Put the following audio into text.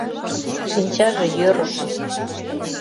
Шинчаже йӧрыш